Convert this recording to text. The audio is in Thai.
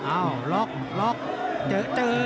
อ้าวล็อกล็อกเจอเจอ